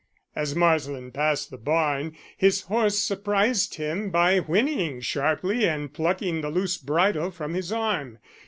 As Marsland passed the barn, his horse surprised him by whinnying sharply and plucking the loose bridle from his arm.